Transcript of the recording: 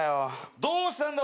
どうしたんだ